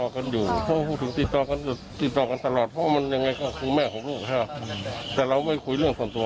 คอบเขาก็ไม่ได้คบ๒คนนะเขามีเยอะ